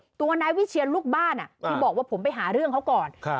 ตัวนายวิเชียนลูกบ้านที่บอกว่าผมไปหาเรื่องเขาก่อน